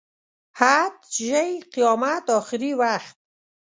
حد، ژۍ، قیامت، اخري وخت.